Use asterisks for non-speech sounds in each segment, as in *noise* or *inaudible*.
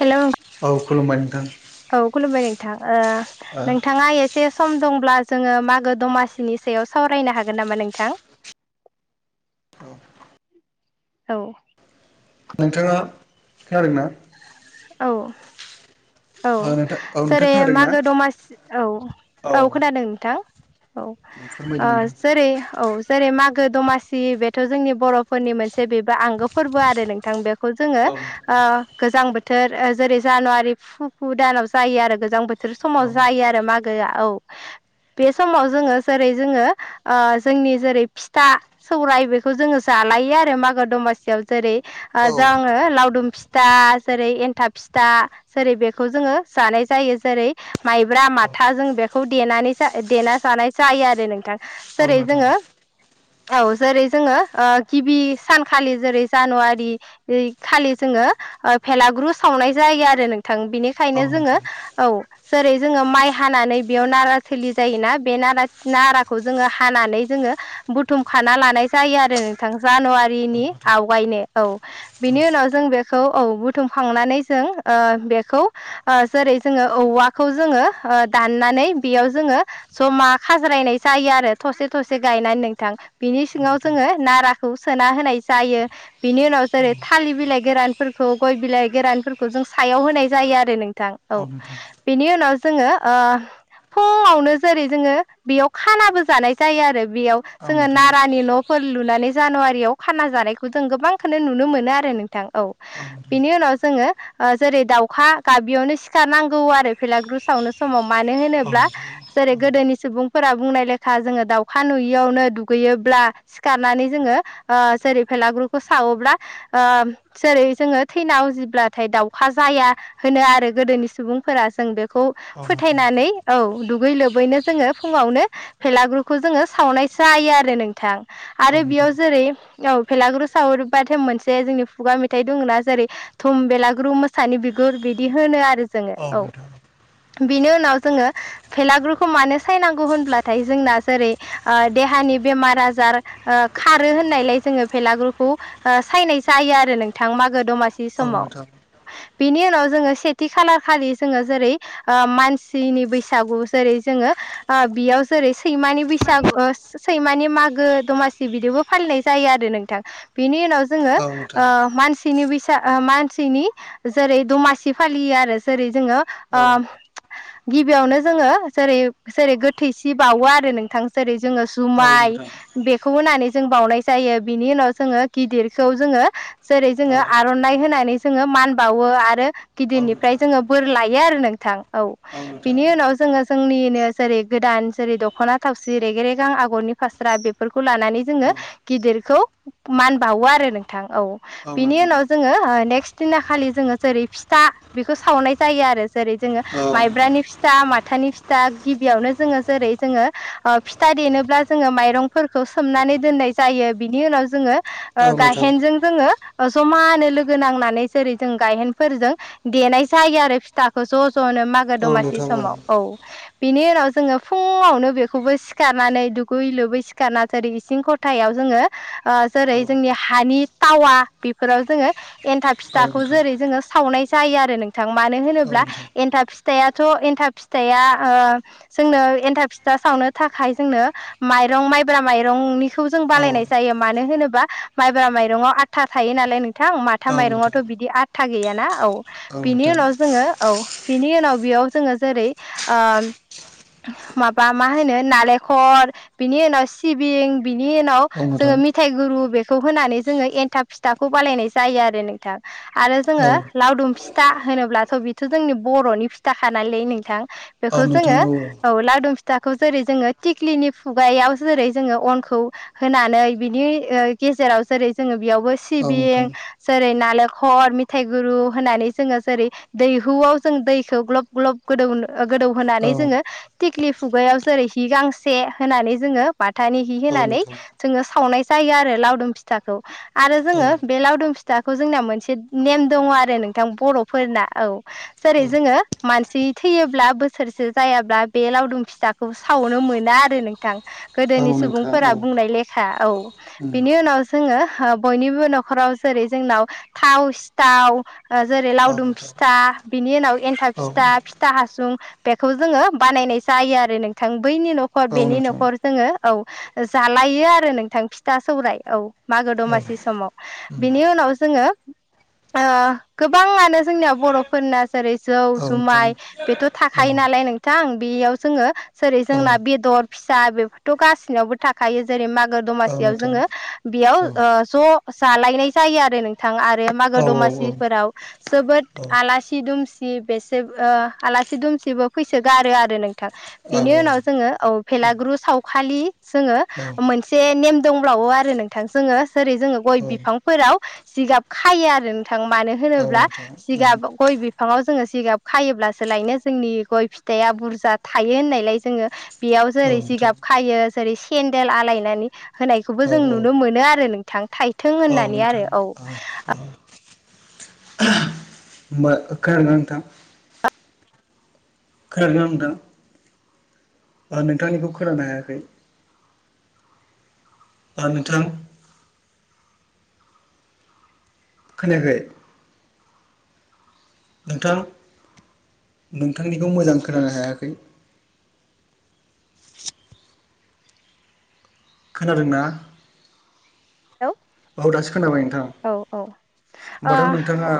Hello नोंथां औ खुलुमबाय नोंथां। औ खुलुमबाय नोंथां ओ नोंथाङा एसे सम दं ब्ला जोङो मो दमासिनि सायाव सावरायनो हागोन नामा नोंथां? औ। नोंथाङा खोनादोंना? औ। औ ओ नोंथां औ से नोंथां खोनादों ना मागो दमासि औ औ खोनादों नोंथां। दे फोरमायदो औ नोंथां जेरै औ जेरै मागो आगो दमासि बेथ जोंनि बरफोरनि मोनसे बेबो आंगो फोरबो आरो नोंथां बे खौ जोङो औ नोंथां गोजां बोथोर जेरै जानुवारि फु फु दानाव जायो आरो गोजां बोथोर बिसोर औ समाव जायो आरो मागोआ औ बे समाव जोङो जेरै जोङो जोंनि जेरै फिथा सौराय बेखौ जोङो जा खालायो आरो मागो दमासियाव जेरै औ जङो लावदुम फिथा जेरै एन्थाब फिथा जेरै बे बे खौ जोङो जानाय जायो जेरै माइब्रा माथा जों बेखौ देना जानाय जायो आरो नोंथां औ जेरै नोंथां जोङो औ जेरै जोङो गिबि सानखालि जेरै जानुवारि खालि जोङो फेलाग्रु सावनाय जायो आरो नोंथां औ नोंथां औ बिनिखायनो जोङो नोंथां औ जेरै जोङो माइ हानानै बेयाव नारा थोलि जायोना बे नारा नाराखौ जोङो हानानै जोङो बुथुमखाना लानाय जायो आरो नोंथां औ जानुवारिनि आवगायनो औ बेनि उनाव उनाव जों बेखौ औ बुथुमखांनानै जों बेखौ जेरै जोङो औवाखौ जोङो दाननानै बेयाव जोङो जमा खाज्रा नाय जायो आरो थसे थसे गायनानै नोंथां बिनि सिङाव जोङो नाराखौ सोना होनाय जायो बिनि उनाव जेरै थालिर बिलाइ गोरानफोरखौ गय बिलाइ गोरानफोरखौ जों सायाव होनाय जायो जायो आरो नोंथां औ बेनि उनाव जोङो फुङावनो जेरै जोङो बेयाव खानाबो जानाय जायो आरो बेयाव औ नोंथां औ नोंथां औ नोंथां औ नोंथां औ नोंथां औ नोंथां औ नोंथां औ नोंथां औ नोंथां औ नोंथां औ नोंथां औ नोंथां जोङो नारानि नफोर लुनानै जानुवारियाव खाना जानायखौ जों गोबांखौनो नुनो मोनो आरो नोंथां औ बिनि उनाव जोङो जेरै दावखा अखा गाबियावनो सिखारनांगौ आरो फेलाग्रु सावनो समाव मानो होनोब्ला जेरै गोदोनि सुबुंफोरा बुंनाय लेखा जोङो दाउखा नुयियावनो दुगैयोब्ला सिखारनानै जोङो जेरै फेलाग्रुखौ सावोब्ला जेरै जोङो थैनायाव जब्लाथाय दाउखा जाया होनो आरो गोदोनि सुबुंफोरा जों बेखौ फोथायनानै औ दुगै लोबैनो जोङो फुङावनो भेलाग्रुखौ जोङो सावनाय जायो आरो नोंथां आरो बेयाव जेरै औ फेलाग्रु सावरबाथाय मोनसे जोंनि खुगा मेथाइ दङ' ना जेरै थुम बेला ग्रु मोसानि बिगुर बिदि होनो आरो। जोङो औ *unintelligible* बिनि उनाव जोङो भेलाग्रुखौ मानो सायनांगौ होनब्लाथाय जोंना ओ जेरै देहानि बेमार आजार ओ खारो होननायलाय जोङो फेलाग्रुखौ सायनाय जायो आरो नोंथां थां मागो दमासि समाव बिनि उनाव जोङो सेथि खालार खालि जोङो जेरै ओ मानसिनि बैसागु जेरै जोङो ओ बेयाव जेरै सैमानि बैसागु सैमानि मागो दमासि बिदिबो फालिनाय जायो जायो आरो नोंथां बिनि उनाव जोङो ओ मानसिनि बैसाग मानसिनि जेरै दमासि फालियो आरो जेरै जोङो ओ गिबियावनो जोङो जेरै जेरै गोथैसि बावो आरो नोंथां जेरै जोङो जुमाय बेद खौ होनानै जों बावनाय जायो बिनि उनाव जोङो गिदिरखौ जोङो जेरै जोङो आर'नाइ होनाय होनानै जोङो मान बावो आरो गिदिरनिफ्राय जोङो बोर लायो आरो नोंथां। औ। बिनि उनाव जोङो जोंनिनो जेरै गोदान जेरै दख'ना थावसि गेरे रेगां आगरनि फास्रा बेफोरखौ लानानै जोङो गिदिरखौ मान बावो आरो नोंथां। औ। बिनि उनाव जोङो ओ नेक्स्ट दिना खालि जोङो जेरै फिथा बेखौ सावनाय जायो आरो। जेरै जोङो माइब्रानि फिथा माथानि फिथा गिबियावनो जोङो जेरै जोङो ओ फिथा देनोब्ला जोङो माइरंफोरखौ सोमनानै दोननाय जायो बिनि उनाव जोङो ओ गाहेनजों जोङो ओ जमानो लोगो नांनानै जेरै जों गायहेनफोरजों देनाय जायो आरो फिथाखौ ज' जनो मागो औ दमासि नोंथां समाव। औ। बिनि उनाव जोङो फुङावनो बेखौबो सिखारनानै दुगैयै लुबै सिखारना जोरै इसिं खथायाव जोङो ओ जेरै औ जोंनि हानि थावा बेफोराव जोङो एन्थाब फिथा खौ नोंथां जेरै जोङो सावनाय जायो आरो नोंथां मानो औ होनोब्ला नोंथां एन्थाब फिथाइयाथ' एथा फिथाया ओ जोंनो एन्थाब फिथा सावनो थाखाय जोंनो माइरं माइब्रा माइरंनिखौ जों औ बालायनाय जायो मानो होनोबा माइब्रा माइरङाव आथा थायो नालाय नोंथां माथा औ माइरङाव नोंथां थ' बिदि आदथा गैयाना औ बिनि उनाव जोङो औ बिनि उनाव बेयाव जोङो जेरै ओ माबा मा होनो नालेंखर बिनि उनाव सिबिं बिनि उनाव औ नोंथां जोङो मिथाइ गुरु बेखौ होनानै जोङो एन्थाब फिथाखौ बालायनाय जायो आरो नोंथां। आरो औ जोङो लावदुम फिथा होनोब्लाथ' बेथ' जोंनि बर'नि फिथाखानालै नोंथां। औ बेखौ नोंथां जोङो औ लादुम फिथाखौ जेरै जोङो थिक्लिनि खुगायाव जेरै जोङो अनखौ होनानै बिनि ओ गेजेराव जेरै जोङो बेयावबो औ नोंथां सिबिं जेरै ना खर मिथाइ गुरु होनानै जोङो जेरै दैहुआव जों दैखौ ग्लब ग्लब गोदौ गोदौ होनानै औ जोङो थिख्लि फुगायाव जेरै हि गांसे होनानै जोङो बाथानि हि औ होनानै नोंथां जोङो सावनाय जायो आरो लावदुम फिथाखौ आरो जोङो औ बे लावदुम फिथाखौ जोंनिया मोनसे नेम दङ' आरो नोंथां बर'फोरना औ जेरै औ जोङो मानसि थैयोब्ला बोसोरसे जायाब्ला बे लावदुम फिसाखौ सावनो मोना आरो नोंथां औ गोदोनि नोंथां औ सुबुंफोरा बुं बुंनाय लेखा औ उम बिनि उनाव जोङो ओ बयनिबो न'खराव जेरै जोंनाव थाव सिथाव ओ जेरै औ लावदुम नोंथां फिथा बिनि उनाव एन्थाब औ फिथा, फिथा हासुं बेखौ जोङो बानायनाय जायो आरो नोंथां बैनि न'खर औ नोंथां औ उम औ नोंथां औ बेनि नोंथां न'खर जोङो औ जालायो आरो नोंथां फिथा सौराय औ मागो औ दमासि समाव बिनि उनाव जोङो ओ गोबाङानो जोंनियाव बर'फोरना जेरै जौ जुमाय बेथ' थाखायो नालाय नोंथां बेयाव जोङो जेरै जोंना बेदर फिसा बेफोरथ' गासिनावबो थाखा यो जेरै मागो औ दमासियाव नोंथां जोङो बेयाव ओ औ ज' जालायनाय जायो आरो नोंथां आरो मागो दमासिफोराव जोबोद आलासि दुमसि बेसे ओ आला दुमसिबो फैसो गारो आरो नोंथां बिनि उनाव जोङो भेलाग्रु सावखालि जोङो मोनसे नेम दंब्लावो आरो नोंथां जोङो जेरै जोङो गय बिफांफोराव जिगाब खायो आरो नोंथां मानो होनोब्ला जिगाब गय बिफाङाव जोङो जिगाब खायोब्लासो लायनो जोंनि गय फिथाइया बुरजा थायो होननायलाय जोङो बेयाव औ जेरै जिगाब नोंथां खायो जे बे सेन्देल आलायनानै होनायखौबो जों औ नुनो मोनो आरो नोंथां थाइथों औ होननानै आरो नोंथां औ। औ मो खोनादोंना नोंथा? खोनादोंना नोंथां? ओ नोंथांनिखौ खोनानो हायाखै। आ नोंथां खोनायाखै नोंथां नोंथांनिखौ मोजां खोनानो हायाखै। खोनादोंना? औ औ दासो खोनाबाय नोंथां औ ओ होनोमबाथ' नोंथाङा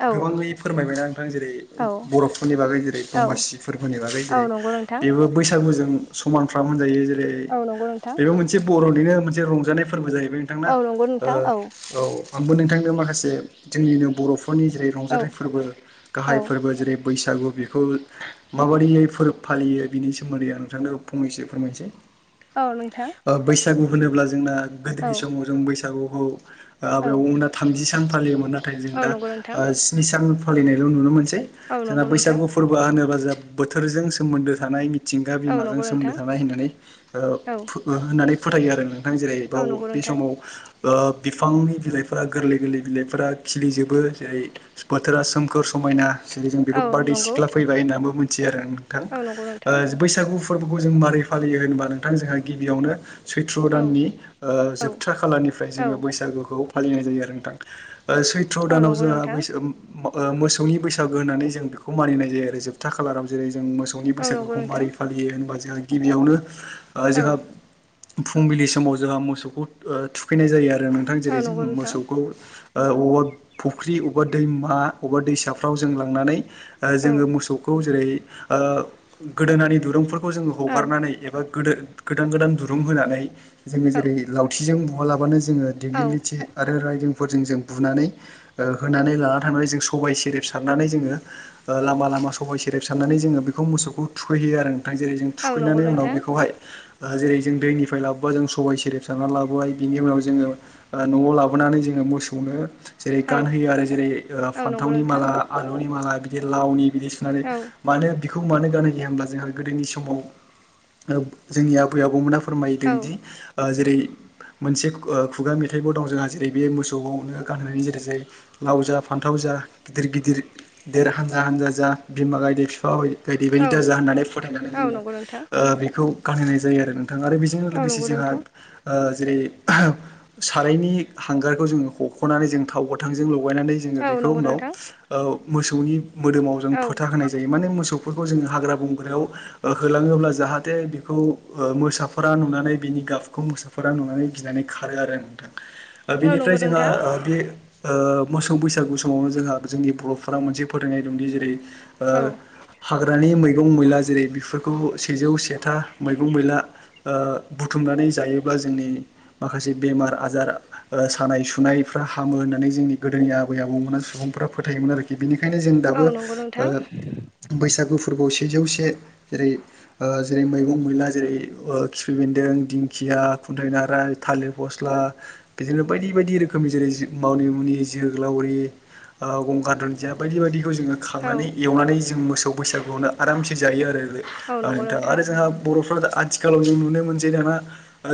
औ गोबाङै फोरमायबायना नोंथां जेरै औ बर'फोरनि बागै जेरै औ दमासि फोरबोनि बागै जेरै औ नंगौ नोंथां बेबो बैसागुजों समानफ्राम होनजायो जेरै औ नंगौ नोंथां बेबो मोनसे बर'निनो मोनसे रंजानाय फो फोरबो जाहैबाय नोंथांना औ नंगौ नोंथां ओ औ आंबो नोंथांनो माखासे जोंनिनो बर' नि जेरै औ रंजाथाइ फोरबो औ गाहाय फोरबो जेरै बैसागु बेखौ माबायदियै फोरबो फालियो बिनि सोमोन्दै आं नोंथांनो फंनैसो फोरमायनोसै। औ नोंथां। ओ बैसागु होनोब्ला जोंना औ गोदोनि समाव जों बैसागु औ आबै आबौमोना थामजि सान फालियोमोन नाथाय जों औ दा नंगौ नोंथां स्नि सान फालिनायल' नुनो मोन औ जोंना नंगौ नोंथां बैसागु फोरबोआ होनोबा जों बोथोरजों सोमोन्दो थानाय मिथिंगा औ बिमाजों नंगौ सोमोन्दो नोंथां थानाय होननानै ओ औ होननानै फोथायो आरो नों नोंथां जेरै औ बाव नंगौ बे नोंथां समाव ओ बिफांनि बिलाइफोरा गोरलै गोरलै बिलाइफोरा खिलिजोबो जेरै बोथोरा सोमखोर समायना जों बेखौ औ बारदै नंगौ सिख्ला फैबाय होननानै मिथियो आरो नोंथां औ नंगौ नोंथां ओ बैसागु फोरबोखौ जों मारै फायो होनबा नोंथां जोंहा गिबियावनो सैथ्र औ दाननि ओ औ जोबथा खालारनिफ्राय औ जोङो बैसागुखौ फालिनाय जायो आरो नोंथां। ओ सैथ्र औ दानाव नंगौ जोंहा नोंथां बैसो ओ मोसौनि बैसागो होननानै जों बेखौ मानिनाय जायो आरो जोबथा खालाराव जेरै जों मोसौनि औ नंगौ बैसागुखौ नोंथां माबोरै फालियो होनबा जों गिबियावनो ओ औ जोंहा फुंबिलि समाव जोंहा मोसौखौ ओ थुखैनाय जायो आरो नोंथां औ जेरै नंगौ जों नोंथां मोसौखौ ओ अबावबा फुख्रि अबेबा दैमा अबेबा दैसाफ्राव जों लांनानै ओ औ जोङो मोसौखौ जेरै ओ गोदोनानि दुरुंफोर खौ जों औ हागारनानैबा गोदान गोदान दुरुं होनानै जोङो औ जेरै लावउथिजों बुवा लाबानो जोङो औ दिग्लिथि आरो रायदों फोरजों जों बुनानै ओ होनानै लाना थांनानै जों सबाइ सेरेब सारनानै जोङो ओ लामा ला मा सबाय सेरेब सारनानै जोङो बेखौ मोसौखौ थुखैहयो आरो। थां जेरै जों औ नंगौ थुखैनानै उनाव नोंथां बेखौहाय ओ जेरै जों दैनिफ्राय लाबोबा जों सबाय सेरेब सारनानै लाबोबाय बिनि उनाव जोङो ओ न'आव लाबोनानै जोङो मोसौनो जेरै औ गानहोयो आरो जेरै औ नंगौ फान्थावनि नोंथां माला आलुनि माला बिदि लावनि बिदि सुनानै औ मानो बेखौ मानो गानो गैया होब्ला जोंहा गोदोनि समाव ओ जोंनि आबै आबौमोना औ फोरमायदोंदि ओ जेरै मोनसे ओ खुगा मेथाइबो दं जोंहा जेरै बे मोसौआवनो गानहोनायनि जेरै जेरै लाव जा फान्थाव जा गिदिर गिदिर देर हानजा हानजा जा बिमा गायदे बिफा बादि बायदि बायदि औ दाजा होननानै फोथायनानै औ जोङो नंगौ नोंथां ओ बेखौ गानहैनाय जायो आरो नों थां आरो बेजों औ लोगोसे नंगौ जोंहा नोंथां जेरै सारायनि हांगारखौ जोङो हख'नानै जों थाव गोथांजों लगायनानै जोङो औ बेखौ नंगौ उनाव नोंथां ओ मोसौनि मोदोमाव जों औ फोथा होनाय जायो माने मोसौ फोरखौ हाग्रा बंग्रायाव होलाङोब्ला जाहाथे बेखौ ओ मोसाफोरा नुनानै बिनि गाबखौ मुसाफोरा नुनानै गिनानै खारो आरो नोंथां औ बेनिफ्राय नंगौ जोंहा नोंथां बे ओ मोसौ बैसागु समावनो जोंहा जोंनि बर'फोरा मोनसे फोथायनाय दंदि जेरै ओ औ हा हाग्रानि मैगं मैला जेरै बेफोरखौ सेजौ सेथा मैगं मैला ओ बुथुमनानै नै जायोब्ला जोंनि माखासे बेमार आजार सानाय सुनायफ्रा हामो होननानै जोंनि गोदोनि आबै आबौमोना सुबुं फ्रा फोथायोमोन आरोखि बिनिखायनो जों औ दाबो नंगौ नोंथां ओ बैसागु फो फोरखौ सेजौसे जेरै जेरै मैगं मैला जेरै खिफि बेन्दों दिंखि या खुन्थाइ नाराय थालिर फस्ला बिदिनो बायदि बायदि रोखोमनि जेरै मावनि मुनि जोगोलावरि ओ गंगार दुन्दिया बायदि बायदि बेखौ जोङो औ खांनानै एवनानै जों मोसौ बैसागुआवनो आरामसे जायो आरो। औ ओ नंगौ नोंथां आरो जोंहा बर'फ्रा आथिखालाव जों नुनो मोनसै दाना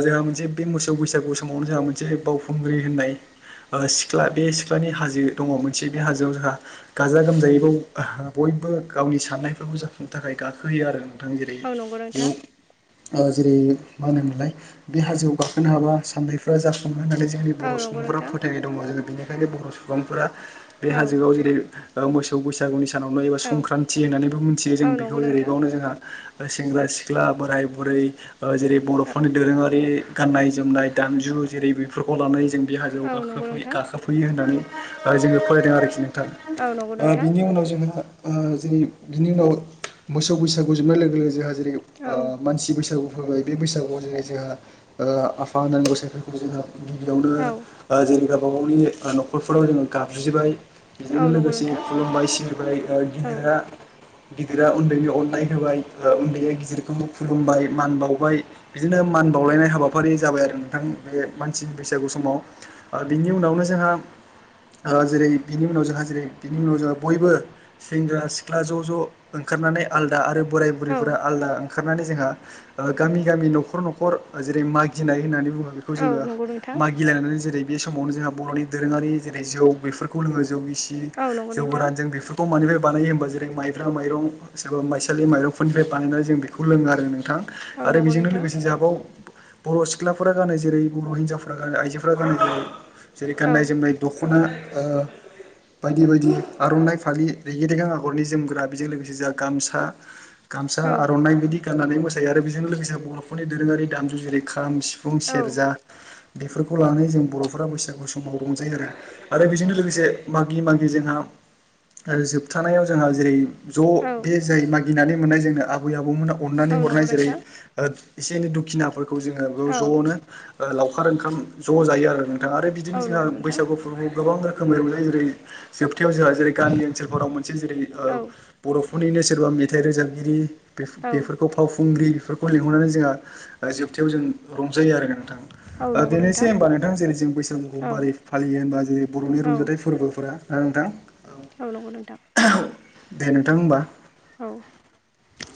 जोंहा मोनसे बे मो सौ बैसागु समावनो जोंहा मोनसे बावखुंग्रि होननाय सिख्ला बे सिख्लानि हाजो दङ मोनसे बे हाजोआव जोंहा गाजा गोमजायै बाव बय बो गावनि साननायफोरखौ जाफुंनो थाखाय गाखोयो आरो। थां जेरै औ नंगौ नोंथां बेयाव जेरै मा होनोम मोनलाय बे हाजोआव गा खोनो हाबा साननायफ्रा जाफुङो होननानै जोंनि औ बर' नंगौ सुबुंफोरा नोंथां फोथायनाय दङ जोङो बेनिखायनो बर' सुबुंफोरा बे औ हाजोआव जेरै ओ मोसौ बैसागुनि सानावनो एबा औ संक्रान्थि होननानैबो मोनथियो औ जों बेखौ नंगौ जेरै नोंथां बावनो जोंहा सेंग्रा सिख्ला बोराय बुरै ओ जेरै औ बर'फोरनि दोरोङारि गाननाय जोमनाय दामजु जेरै बेफोरखौ लानानै जों बे हाजोआव औ नंगौ गाखोफै नोंथां गाखोफैयो होननानै जोङो फरायदों आरोखि नोंथां औ नंगौ ओ नोंथां बिनि उनाव जोङो ओ जेरै बिनि उनाव मोसौ बैसागु जोबनाय लोगो लोगो जोंहा जेरै औ ओ मानसि बैसागु फोरबाय बे बैसागुआव जेरै जोंहा ओ आफा होनना गसाइफोरखौ जोंङो गिबियावनो औ ओ जेरै गावबा गावनि न'खरफोराव जोङो गाबज्रिबाय औ बेजोंनो नंगौ लोगोसे नोंथां खुलुमबाय सिबिबाय औ गिदिरा गिदिरा उन्दैनि अननाय होबाय उन्दैया गिदिरखौ खुलुमबाय मान बावबाय बिदिनो मान बावलायनाय हाबाफारि जाबाय आरो नोंथां बे मानसिनि बैसागु समाव ओ बिनि उनावनो जोंहा ओ जेरै बिनि उनाव जोंहा जेरै बिनि उनाव जोंङो बयबो सेंग्रा सिख्ला ज' ज' ओं खारनानै आलदा आरो बोराय बुरैफोरा औ आलदा ओंखारनानै जोंहा गामि गामि न'खर न'खर जेरै मागिनाय होननानै बुङो बेखौ औ जोङो नंगौ नोंथां मागिलायनानै जेरै बे समावनो जोंहा बर'नि दोरोङारि जेरै जौ बेफोरखौ लोङो। जौ गिसि औ नंगौ जौ नोंथां गोरान जों बेफोरखौ मोनो बानायो होमबा जेरै माइब्रा माइरं सोरबा माइसालि माइरंफोरनिफ्राय बानायनानै जों बेखौ लोङो आरो नोंथां औ आरो नंगौ बेजोंनो नोंथां लोगोसे जोंहाबाव बर' सिख्लाफोरा गानो जेरै बर' हिनजावफोरा गानो आइजोफोरा गानो जेरै जेरै औ गाननाय जोमनाय दख' ना ओ बायदि बायदि आरनाइ फालि रेगे रेगां आगरनि जोमग्रा बेजों लोगोसे जोंहा गामसा गामसा औ आर'नाइ बिदि गाननानै मोसायो आरो बेजों लोगोसे बर'फोरनि दोरोङारि दामजु जेरै खाम, सि सिफुं, औ सेर्जा बेफोरखौ लानानै जों बर'फोरा बैसागु समाव रंजायो आरो आरो बेजोंनो लोगोसे मागि मागि जोंहा आरो जोबथानायाव जोंहा जेरै औ जयै जाय मागिनानै मोननाय जोंनो आबै आबौमोनहा अननानै औ नंगौ हरनाय जेरै नोंथां ओ एसे एनै दुखिनाफोरखौ जोङो बे औ ज'नो लावखार ओंखाम ज' जायो आरो आरो बिदिनो औ जोंहा नंगौ नोंथां बैसागु फोरबोफोराव गोबां रोखोमै जेरै ओरै *unintelligible* खोथायाव जोंहा जेरै गामि ओनसोलफोराव मोनसे जेरै औ बर'फोरनिनो सोरबा मेथाइ रोजाबगिरि बे औ बेफोरखौ फावखुंग्रि फोरखौ लिंहरनानै जोंहा जोबथायाव जों रंजायो आरो नोंथां। औ ओ नंगौ बेनोसै होमबा नोंथां जेरै जों बैसागुखौ औ मारोरै फालियो होनबा जेरै बर'नि औ रंजाथाइ फोरबोफोरा *unintelligible* औ नंगौ नोंथां। दे नोंथां होमबा। औ।